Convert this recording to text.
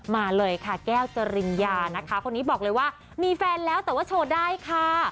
มาเลยค่ะแก้วจริญญานะคะคนนี้บอกเลยว่ามีแฟนแล้วแต่ว่าโชว์ได้ค่ะ